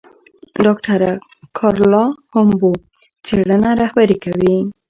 ډاکټره کارلا هومبو څېړنه رهبري کوي.